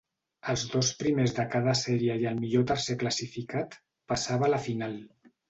Els dos primers de cada sèrie i el millor tercer classificat passava a la final.